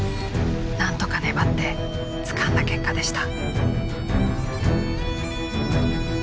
何とか粘ってつかんだ結果でした。